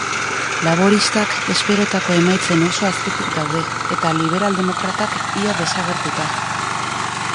Laboristak esperotako emaitzen oso azpitik daude, eta liberaldemokratak, ia desagertuta.